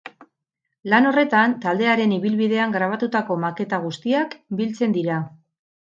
Lan horretan, taldearen ibilbidean grabatutako maketa guztiak biltzen dira.